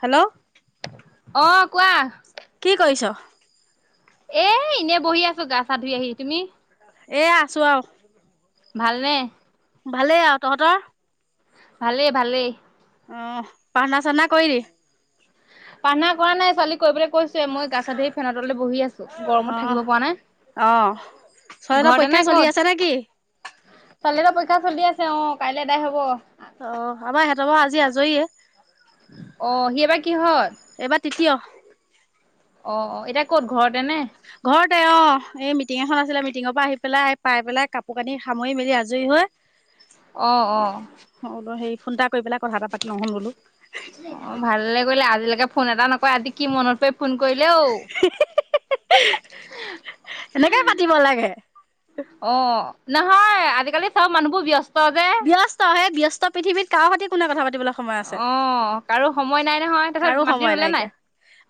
Hello? অ' কোৱা। কি কৰিছ? এ- এনে বহি আছোঁ, গা-চা ধুই আহি। তুমি? এ আছোঁ আৰু। ভালনে? ভালেই আৰু, তহঁতৰ? ভালে - ভালে। অ' প্ৰাৰ্থনা- চাথনা কৰিলি? প্ৰাৰ্থনা কৰা নাই। ছোৱালীক কৰিবলৈ কৈছ ছোঁ। মই গা-চা ধুই ফেনৰ তলতে বহি আছোঁ। গৰমত অ' থাকিব পৰা নাই। অ' ছয়তৰ ঘৰতে পৰীক্ষা নে চলি আছে নে কি? ক'ত? ছোৱালীৰো পৰীক্ষা চলি আছ ছে অ'। কাইলে এটা শেষ হ'ব। অ' আমাৰ সিহঁতৰ বা আজি আজৰিয়ে। অ' সি এইবাৰ কিহত? এইবাৰ তৃতীয় অ' - অ'। এতিয়া ক'ত, ঘৰতে নে? ঘৰতে অ'। এই মিটিং এখন আছিলে। মিটিঙৰ পৰা আহি পেলাই, পাই পেলাই কাপোৰ-কানি সামৰি মেলি আজৰি হৈ অ' অ' হলোঁ হেৰি ফোন এটা কৰি পেলাই কথা এটা পাতি লও হম বোলোঁ। অ' ভালে কৰিলে। আজিলৈকে ফোন এটা নকৰে। আজি কি মনত পৰি ফোন কৰিলে ঔ? এনেকে পাতিব লাগে। অ' নহয়, আজিকালি চব মানুহবোৰ ব্যস ব্যস্ত। সেই ব্যস্ত পৃথিৱীত কাৰ সতে কোনে কথা পাতি তিবলৈ সময় আছে? অ' কাৰো সময় নাই নহয় তাৰপিছত কাৰো মাটি সময় ৰুলে নাই? নাইকিয়া।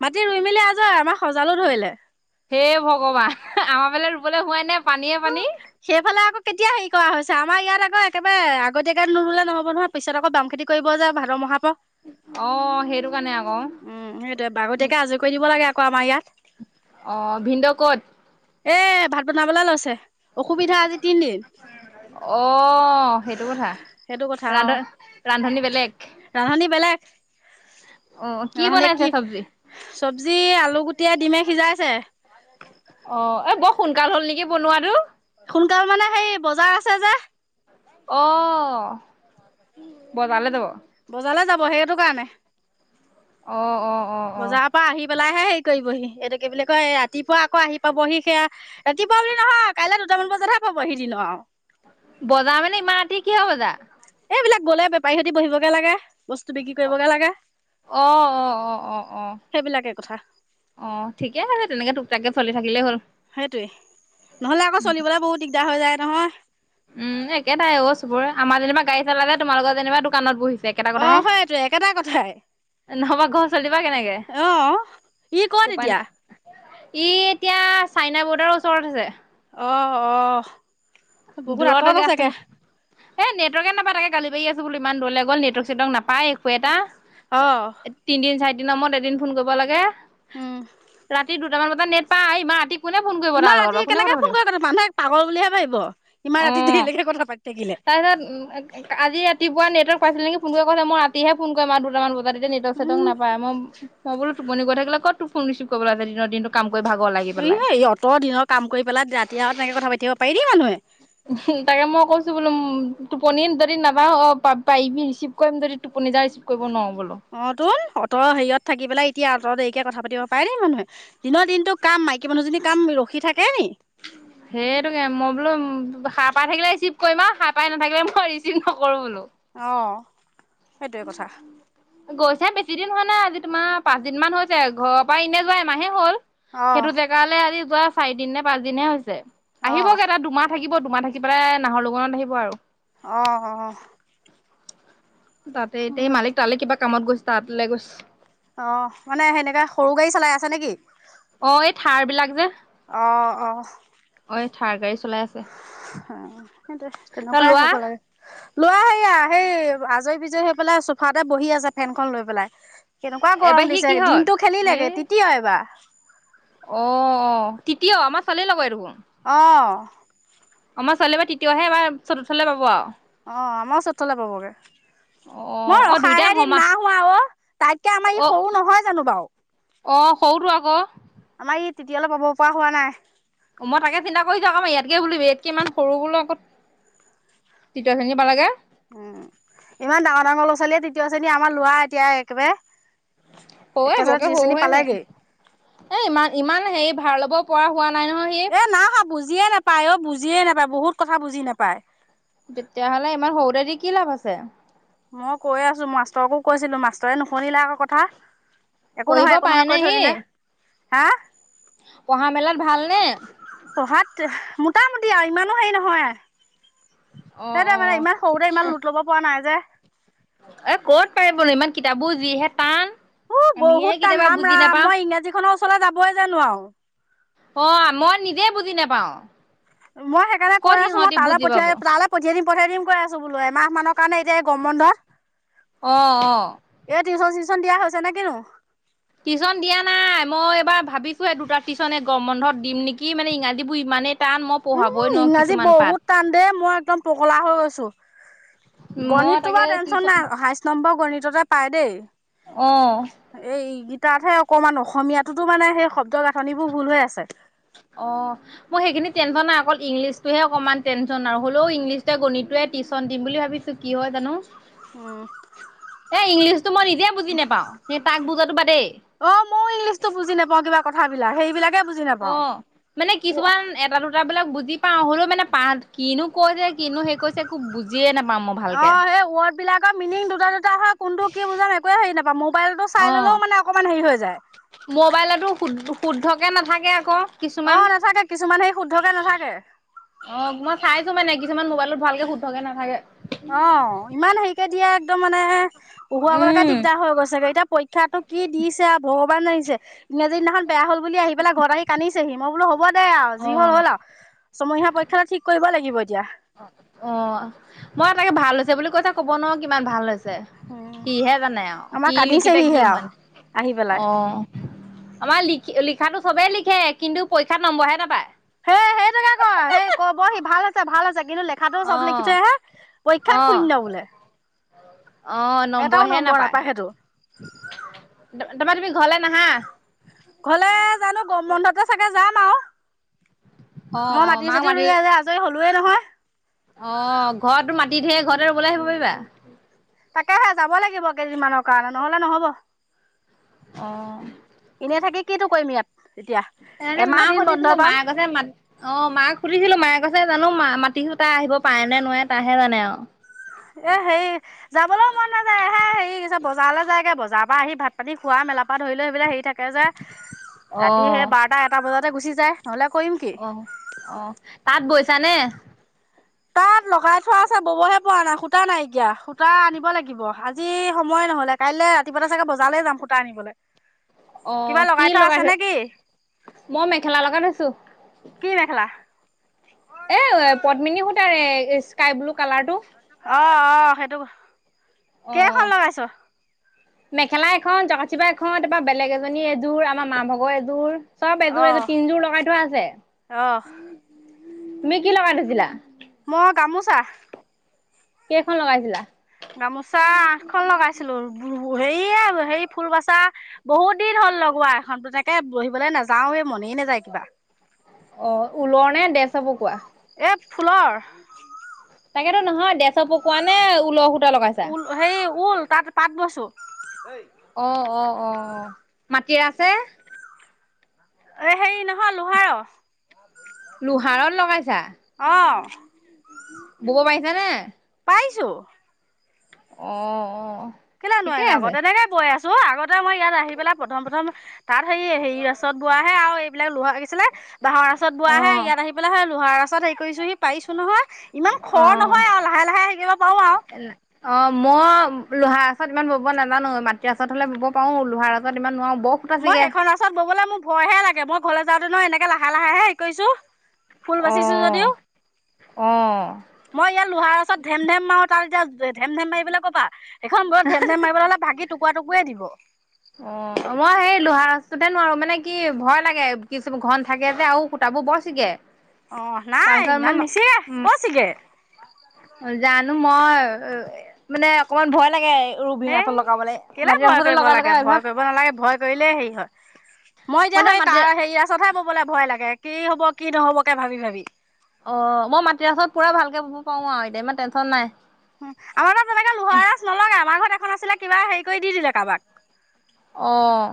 মাটি ৰুই মিলি আজৰি আমাৰ সজালো ধৰিলে। হে ভগৱান। আমাৰ ফালে ৰুবলৈ হোৱাই নাই। পানীয়ে পানী। সেইফালে আকৌ কেতিয়া হেৰি কৰা হৈছে? আমাৰ ইয়াত আকৌ একেবাৰে আগতীয়াকৈ নুৰুলে নহ'ব নহয়? পিছত আকৌ বাম খেতি কৰিব যে ভাদৰ মহাৰ প অ' সেটো উম, সেইটোৱে। আগতীয়াকে আজৰি কৰি দিব লাগে আকৌ আমাৰ ইয়াত। অ' ভিন্দৌ ক'ত? এ ভাত বনাবলৈ লৈছে। অসুবিধা, আজি তিনদিন। অ' সেইটো কথা। সেইটো কথা অ ৰান্ধ- ৰান্ধনী বেলেগ। অ নহলে বনাইছে কি, চব্জি চব্জি, আলু গুটিয়ে-ডিমে সিজাইছে। অ' এ বৰ সোনকাল হ'ল নেকি বনোৱাটো? সোনকাল মানে সেই বজাৰ আছে যে। অ' বজাৰলে যাব? বজাৰলে যাব। সেয়েটো কাৰণে। অ' - অ'। অ বজাৰৰ পৰা আহি পেলাইহে হেৰি কৰিবহি, এইটো কি বুলি কয়, ৰাতিপুৱা আকৌ আহি পাবহি সেয়া। ৰাতিপুৱা বুলি নহয়, কাইলৈ দুটামান বজাতহে পাবহি দিনৰ বজাৰ মানে ইমান ৰাতি কিহৰ বজাৰ? এইবিলাক গ'লে বেপাৰীৰ সৈতি বহিবগে লাগে, বস্তু বিক্ৰী কৰিবগে লাগে। অ' - অ' - অ' - অ' - অ'। সেইবিলাকে কথা অ ঠিকে হ তেনেকে তোক তাকে চলি থাকিলেই হ'ল। সেইটোৱে [unintelligible] নহলে আকৌ চলিবলৈ বহুত দিগদাৰ হৈ যায় নহয়। উম একেটাই চব আমাৰ যেনিবা গাড়ী চালে তোমালোকৰ যেনিবা দোকানত বহি অ হয়টোৱে একেটা কথাই। নহবা ঘ চলিবা কেনেকে অ ই ক'ত উপায় ন। এতিয়া [unintelligible] ই এতিয়া চাইনা বৰ্ডাৰৰ ওচৰত আছে। অ অ বহুত আঁতৰত দূৰতেকে আছেগে এই নেটৱৰ্কে নাপাবা তাগে গালি পাৰি আছো বো ইমান দূৰলে গ'ল নেটৱৰ্ক চেটৰ্ক নাপায়। পাই একো এটা অ তিনিদিন চাৰিদিনৰ মূৰত এদিন ফোন কৰিব লাগে। উম ৰাতি দুটামান বজাত নেট পাই ইমান ৰাতি কোনে ফোন কৰিব ইমান তাৰ লগত ৰাতি বা কোনে কেনেকে কথা ফোন পাতিব। কৰি মানুহে পাগল বুলিহে ভাবিব ইমান অ ৰাতি দেৰিলৈকে কথা পাতি থাকিলে তাৰপিছত আজি ৰাতিপুৱা। নেটৱক পাইছিল নে ফোন কৰি কৈছে মই ৰাতিহে ফোন কৰিম আৰু দুটামান বজাত। নেটৱৰ্ক চেটৱৰ্ক উম নাপায় মই মই বো টোপনি গৈ থাকিলে কত তোৰ ফোন ৰিচিভ কৰিবলে আছে দিনৰ দিনটো কাম কৰি ভাগৰ লাগি পেলাই এ অতৰ দিনৰ কাম কৰি পেলাই ৰাতি আত তেনেকে কথা পাতিব পাৰি নেকি মানুহে। তাকে মই কৈছো বোলো টোপনি যদি নাপাওঁ অ প পাৰিবি ৰিচিভ কৰিম যদি টোপনি নিজাই ৰিচিপ কৰিব নোৱাৰো। বোলো অ তোন অঁতৰ হেৰিয়ত থাকি পেলাই। এতিয়া আঁতৰতৰ এৰিকে কথা পাতি পাৰে দেই মানুহে দিনৰ দিনটো কাম মাইকী মানুহজনি কাম ৰখি থাকে নি সেইটোকে মই বোলো সাহ পাই থাকিলে ৰিচি [unintelligible] কৰিম আও সা পাই নাথাকিলে মই ৰিচিভ নকৰো বোলো। অ সেইটোৱে কথা। গৈছে বেছি দিন হোৱা নাই আজি তোমাৰ পাঁচ দিনমান হৈছে ঘৰৰ পৰা এনে যোৱা এমাহে হ'ল। অ সেইটো জেগালে আজি যোৱা চাৰিদিন নে পাঁচ দিনহে হৈছে অ আহিবগে তাত দুমাহ থাকি থাকিব তোমাৰ থাকি পেলাই নাহৰ লগত আহিব আৰু। আহ অ তাতে এতিয়া সেই মালিক তালৈ কিবা কামত গৈছে তালৈ গৈছে। অ মানে সেনেকাে সৰু গাড়ী চলাই আছে নেকি অ এই থাৰ বিলাক যে। অ অ অ থাৰ গাড়ী চলাই আছে। অ সেইটোৱে ত তেনেকুৱাই লোৱা হ'ব লাগে। লোৱা সেয়া সেই আজৰি বিজয় হৈ পেলাই চোফাতে বহি আছে ফেনখন লৈ পেলাই। কেনেকুৱা এবাৰ গৰম সি দিছে কিহত দিনটো খেলি এ লেগে তিতীয় এবাৰ [unintelligible] অ অ তিতিয় আমাৰ ছোৱালী লগৰে দেখোন আহ আমাৰ ছোৱালী এবাৰ তৃতীয়হে এবাৰ চতুৰ্থলৈ পাব আৰু। অ আমাৰ চতুৰ্থলে পাব গে। অ মই অ দুইটা ৰসাই হে দিম সমাহ না হোৱা অ তাইতকে আমাৰ অ ই সৰু নহয় জানো বাৰু। অ সৰুটো আকৌ। আমাৰ ই তিতিয়লে পাব পৰা হোৱা নাই মই তাকে চিন্তা কৰিছো আকমাৰ ইয়াতকে বুলিবি ইয়াতকে ইমান সৰু বোলো আকৌ। [unintelligible] তৃতীয় শ্ৰেণী পালেগে। উম ইমান ডাঙৰ ডাঙৰ ল'ৰা ছোৱালীয়ে তৃতীয় শ্ৰেণী আমাৰ লৰা এতিয়া একেবাৰে অ একেচতে বৰকে তৃতীয় সৰু শ্ৰেণী হৈ আছে পালেগেই এ ইমান ইমান হেৰি ভাড় লব পৰা হোৱা নাই নহয় সি এ না হা বুজিয়ে নাপায় অ বুজিয়ে নাপায় বহুত কথা বুজি নাপায়। তেতিয়াহ'লে ইমান সৰুতে দি কি লাভ আছে। মই কৈ আছো মাষ্টৰকো কৈছিলো মাষ্টৰে নুশুনিলে আকৌ কথা। একো পঢ়িব নহয় একো নহয় কৈ থৈ দিলে হা পহা মেলাৰ ভাল নে [unintelligible] পঢ়াত মোটামুটি আৰু ইমানো হেৰি নহয়। অ অ সেইটোৱেই মানে ইমান সৰুতে ইমান লোট ল'ব পৰা নাই যে! এ ক'ত পাৰিবনো ইমান কিতাপ বোৰ যিহে টান! উ আমিয়ে বহুত টান কেতিয়াবা ৰাম বুজি ৰাম নাপাওঁ মই ইংৰাজীখনৰ ওচৰলৈ যাবই জানো আৰু অ মই নিজে বুজি নাপাও। মই সেইকাৰণে ক'ত কৈ আছো মই সিহঁতি তালৈ বুজি পাব পঠিয়াই তালৈ পঠিয়াই দিম। পঠাই দিম কৈ আছো বোলো এমাহ মানৰ কাৰণে এতিয়া গম বন্ধত। অ আহ। প্ৰমোচন দিয়া হৈছে নেকি কিনো? টিউশ্যনিয়া নাই মই এইবাৰ ভাবিছোহে দুটা টিউশ্যনে গম বন্ধত দিম নেকি মানে ইংৰাজীবোৰ ইমানেই টান মই পঢ়াবই উম নোৱাৰো ইংৰাজী কিছুমান পাত বহুত টান দেই মই একদম পকললা হৈ গৈছো। মই গণিতটো তাকে বাৰু টেনশচন টিউচন নাই সাইশ নম্বৰ গণিততে পাই দেই। অ' এই গীতাতহে অকমান অসমীয়াতোতো মানে সেই শব্দ। গাঁথনিবোৰ ভুল হৈ আছে অ মই সেইখিনি তেল বনাম। অকল ইংলিছটোহে অকণমান টেনচন আৰু হ'লেও ইংলিছোৱে গণিতোৱে টিউশন দিম বুলি ভাবিছোঁ? কি হয়। জানো উম এ ইংলিছতটো মই নিজে বুজি নাপাওঁ স তাক বুজাতটো বাদেই। মই ইংলিছটো বুজি নাপাওঁ কা কথাবিলাক সেই অ মানে কিছুমান এটা দুটা বিলাক বুজি বুজি পাওঁ হ'লেও মানে পাহ কিনো কৈছে কিনো সেই কৈছে একো বুজিয়ে নাপাওঁ। মই অ ভালকে। সেই ৱৰ্ড বিলাকৰ মিনিং দুটা দুটা হয় কোনটো কি বুজাম একয়ে হেৰি নাপাওঁ। মই মোবাইলটো চাই অ', ললেও মানে অকমান হেৰি হৈ যায়। শুদ্ধকৈ নাথাকে আকৌ অ কিছুমান নাথাকে কিছুমান হেৰি শুদ্ধকে নাথাকে অ মই চাইছো মানে কি? কিমান মোবাইলত ভালক শুদ্ধকে নাথাকে। অ ইমান হেৰিকে দিয়ে একদম মানে উহুৱাবলৈকে উম, দিগদাৰ হৈ গৈছেগে এতিয়া পৰীক্ষা টো কি দিছে আউ? আহিছে ইংৰাজী দিনাখন। বেয়া হল বুলি আহি পেলাই ঘৰত আহি কন্দিছেহি মই বোলো। হ'ব দে আৰু যি হল অ', হল আৰু চমসীয়া পীক্ষা ঠিক কৰিব লাগিব। এতিয়া অ অ মই তাকে ভাল হৈছে বুলি কৈছ কব ন কিমান ভাল হৈছে। উম কিহে জানে অ আমাৰ কি লিখিছে কি কান্দিছেহিহে আৰু সান আহি পেলাই অ আমাৰ লখ লিখা চবে লিখে কিন্তু পৰীক্ষাত নম্বৰহে নাপায়। হে সেইটোকে ক সেই কবহি ভাল আছে ভাল হৈছে। কিন্তু লেখাতটো চব লিখি অ', থয় আহে পৰীক্ষাত অ'। শুন্য বোলে। অ এটাও নম্বৰহে নম্বৰ নাপায়। সেইটো তাৰপৰা তুমি ঘৰলে নাহা। ঘৰলে জানো গৰম বন্ধতে চাগে যাম আৰু অ' মই অ' মাটি মাক চতি মাতি ৰুই আ যে আজৰি হলোৱৱে নহয়। অ ঘৰত মাটতি ধহে ঘৰতে ৰুবলৈ আহিব পাৰিবা। তাকেহে যাব লাগিব কেইদিনমানৰ কাৰণে নহলে নহব। অ' এনে থাকি কিটো কৰিম ইয়াত এতিয়া এ এমাহ মাক দিন বন্ধ সুধিছিলো পাম মায়ে গছে মা অ মাক সুধিছিলো মায়ে কইছে। জানো মা মাটি সোতা আহিব পাৰে নে নোৱাৰে তাহে জানে আৰু এ হেৰি যাবলৈও মন নাযায় এ হে হেৰি কিছে বজাৰলৈ যায়গৈ বজাৰৰ পৰা আহি ভাত পানী খোৱা মেলাৰ পৰা ধৰি লও সেইবিলাই হেৰি থাকে যে ৰাতি সেই বাৰটা এটা বজাতে গুচি যায় নহ'লে কৰিম কি আহ আহ তাত বৈছা নে? তাত লগাই থোৱা আছে ববহে পোৱা নাই সূতা নাইকিয়া সূতা আনিব লাগিব আজি সময় নহলে? কাইলৈ ৰাতিপুৱা চাগৈ বজালেই যাম সূটা আনলৈ। অ কি লগাই থ কি মই মেখেলা লগাই থৈছো। কি মেখেলা? এ পদ্মিনী সুতাৰ স্কাই ব্লু কালাৰটো। অ অ সেইটো কেইখন অ' লগাইছ। মেখেলা এখন, জকাচিপা এখন তাৰপা বেলেগ এজনী এযোৰ, আমাৰ মা ভাগৰ এযোৰ। চব এযোৰ অহ এযোৰ তিনযোৰ লগাই থোৱা আছে। অহ তুমি কি লগাই থৈছিলা? মই গামোচা। কেইখন লগাইছিলা? গামোচা আঠখন লগাইছিলো। হেৰিয়ে হেৰি ফুল বাচা বহুত দিন হল। লগোৱা এখনতো তাকে বহিবলৈ নাযাওঁৱে, মনেই নাযায় কিবা। অ' ঊলৰ নে দেচা পকোৱা? এ ফুলৰ। তাকেতো নহয় ডেছৰ পকোৱা নে ঊলৰ সূতা লগাইছা? ঊল হেৰি ঊল তাত পাত বইছোঁ। অ' অ' অ' মাটিৰে আছে? এ হেৰি নহয় লোহাৰৰ। লোহাৰত লগাইছা? অ'। বব পাৰিছা নে? পাইছো। অ' অ'। কেলৈ ঠিকে নোৱাৰিম আকৌ আছে তেনেকে বৈ আছো আগতে মই ইয়াত আহি পেলাই প্ৰথম প্ৰথম তাত হেৰি - হেৰি ৰাচত বোৱাহে আৰু এইবিলাক লোহা আহিছিলে বাঁহৰ ৰাচত অ বোৱাহে ইয়াত আহি পেলাই হয় লোহা ৰাচ [unintelligible] হেৰি কৰিছোহি। পাৰিছো নহয় ইমান অ খৰ নহয় আৰু লাহে লাহে শিকিব পাৰোঁ আৰু। অ মই লোহাৰ ৰাচত ইমান বব নাজানো মাটিৰ ৰাচত হলে বব পাৰো লোহাৰ ৰাচত ইমান নোৱাৰোঁ। মই সেইখন ৰাচত ববলৈ মোৰ ভয়হে লাগে, মই ঘৰলৈ যাওঁতে নহয় এনেকে লাহে লাহেহে হেৰি কৰিছো। ফুল বাচিছো যদিও অ' অ'। অ' ইয়াত লোহাৰ ৰাচত ধেম ধেম মাৰো তাৰ এতিয়া ধেম ধেম মাৰিবলে ক'বা। এইখন বৰ ধেম ধেম মাৰিবলে হলে ভাগি টুকুৰা টুকৰি হৈ থাকিব। অ' মই সেই লোহাৰ ৰাচটোতে নোৱাৰো মানে কি ভয় লাগে কিছু ঘন থাকে যে আৰু সুতাবোৰ বৰ চিগে। অ নাই তাৰপিছত ইমান মই, নিচিগে কচিগে জানো মই মানে অকমান ভয় লাগে ৰবি ৰাসত লগাবলে মাটিৰ ৰাচতে লগাই ল কে ভয় কৰিব নালাগে ভয় কৰিলে হেৰি হয়। মই এতিয়া সৈ তাৰ হেৰি আছতহে ববলৈ ভয় লাগে কি হব কি নহব কে ভাবি ভাবি। অ' মই মাটি ৰাছত পুৰা ভালকে বব পাৰো আৰু এতিয়া মই টেনশ্যন নাই। আমাৰ তাত তেনেকে লোহাৰাজ নলগাই আমাৰ ঘৰত এখন আছিলে কিবা হেৰি কৰি দি দিলে কাৰোবাক। অ'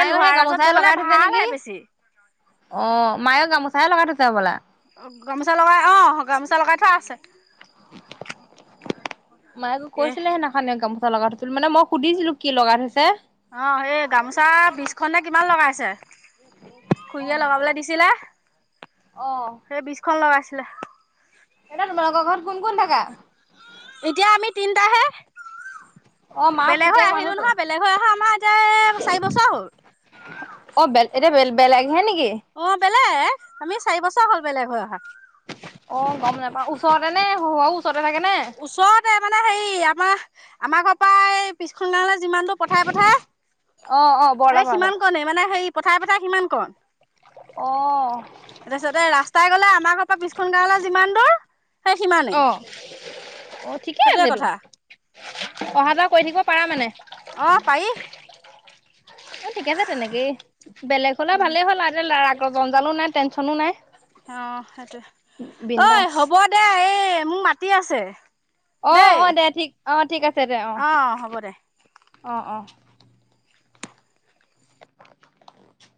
এই সেই লোহাৰ আচৰত গামোচাই ববলৈ লগাই থৈছে নেকি? ভালহে বেছি অ' মায়েও গামোচাই লগাই থৈছে হবলা? অ গামোচা লগাই অ গামোচা লগাই থোৱা আছে। মায়ে মোক এ কৈছিলে সেইদিনাখনে গামো চা লগাই থৈছিল। মানে মই সুধিছিলো কি লগাই থৈছে? অ' সেই গামোচা বিছ খননে কিমান লগাইছে। খুৰীয়ে অ', লগাবলে দিছিলে। অ সেই বিছখন লগাইছিলে। এতিয়া তোমালোকৰ ঘৰত কোন কোন থাকা? এতিয়া আমি তিনটাহে। অ মাক বেলেগ হৈ পুতেক আহিলো মানুহতো নহয় বেলেগ হৈ আহা আমাৰ এতিয়া চাৰি বছৰ হ'ল। অ' বেল এতিয়া বেল - বেলেগ অ' বেলেগ আমি চাৰি বছৰ হ'ল বেলেগ হৈ অহা। অ' গম নেপাও ওচৰতে নে [unintelligible] ওচৰত? ওচৰতে মানে হেৰি আমাৰ - আমাৰ ঘৰৰ পৰা পিছখন গাঁওলে যিমানটো পথাই পথাই অ অ সেই বৰলাপাৰালে সিমান কণে মানে হেই পথাই পথাই সিমান কণ। অ'। তাপিছতে ৰাস্তাই গলে আমাৰ ঘৰৰ পৰা পিছখন গাৱঁলে যিমান দূৰ সেই অ সিমানেই। অ ঠিকেই সেইটোৱে আছেতো। কথা অহা যোৱা কৰি থাকিব পাৰা মানে? অ পায়ি। অ ঠিক আছে তেনেকেই বেলেগ হ'লে উম ভালেই হ'ল আৰু এতিয়া ল আগ জঞ্জালো নাই টেনচনো নাই। অ সেইটোৱে। ঐ বিন্দাস হ'ব দে এই মোক মাতি আছে। অ, দেই অ। দে ঠিক অ ঠিক আছে দে। অ হ'ব দে অ-অ-অ।